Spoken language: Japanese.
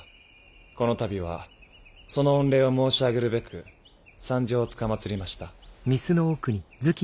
この度はその御礼を申し上げるべく参上つかまつりました。